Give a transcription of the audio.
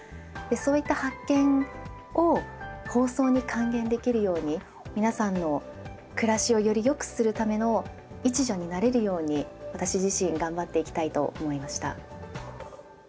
そういった発見を放送に還元できるように皆さんの暮らしをよりよくするための一助になれるように私自身頑張っていきたいと思いました。